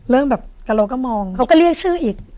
เริ่มแบบแต่เราก็มองเขาก็เรียกชื่ออีก